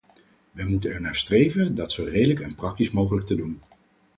Wij moeten ernaar streven dat zo redelijk en praktisch mogelijk te doen.